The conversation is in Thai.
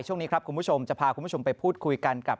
ช่วงนี้จะพาคุณผู้ชมไปพูดคุยกันกับ